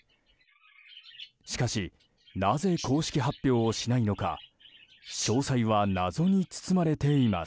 しかし、なぜ公式発表をしないのか詳細は謎に包まれています。